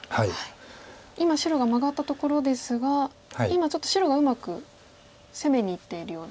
今白がマガったところですが今ちょっと白がうまく攻めにいっているような。